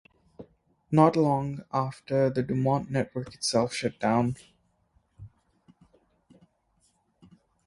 Not long after, the DuMont network itself shut down.